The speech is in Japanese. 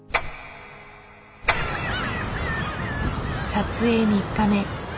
撮影３日目。